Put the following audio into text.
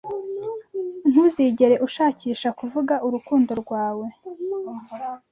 Ntuzigere ushakisha kuvuga urukundo rwawe